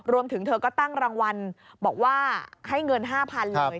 รวมถึงเธอก็ตั้งรางวัลบอกว่าให้เงิน๕๐๐๐เลย